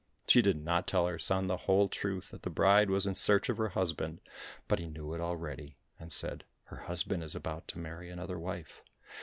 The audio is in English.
She did not tell her son the whole truth, that the bride was in search of her husband, but he knew it already, and said, *' Her husband is about to marry another wife.